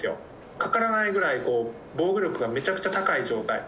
かからないぐらい防御力がめちゃくちゃ高い状態。